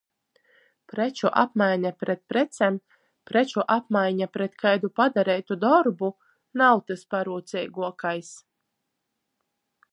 Preču apmaiņa pret precem, preču apmaiņa pret kaidu padareitu dorbu nav tys parūceiguokais.